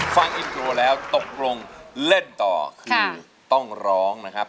ฟังอินโทรแล้วตกลงเล่นต่อคือต้องร้องนะครับ